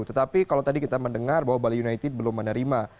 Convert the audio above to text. tetapi kalau tadi kita mendengar bahwa bali united belum menerima